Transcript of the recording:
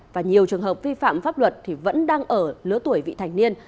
và nhiều trường hợp vi phạm pháp luật vẫn đang ở lứa tuổi vị thành niên